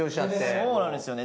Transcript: そうなんですよね。